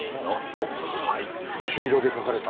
おっ朱色で書かれた。